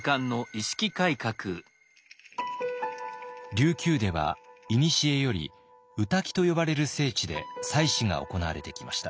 琉球ではいにしえより御嶽と呼ばれる聖地で祭祀が行われてきました。